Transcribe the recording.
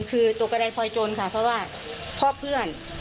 คือตกกระดายพลอยจนค่ะเพราะว่าพ่อเพื่อน